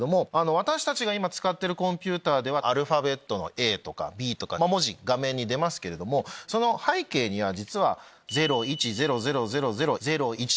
私たちが今使っているコンピューターではアルファベットのＡとかＢとか文字画面に出ますけれどもその背景には実は。